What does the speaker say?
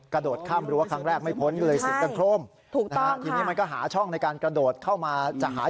พ้าเนี่ยนะฮะ